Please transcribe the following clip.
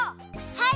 はい！